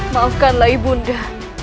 maafkanlah ibu dinda